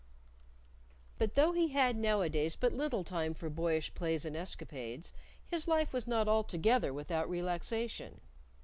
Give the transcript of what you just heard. But though he had nowadays but little time for boyish plays and escapades, his life was not altogether without relaxation.